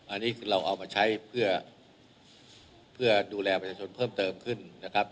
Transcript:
อันนี้คือเราเอามาใช้เพื่อดูแลประชาชนเพิ่มเติมขึ้นนะครับ